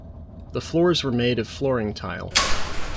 The floors were made of flooring tile.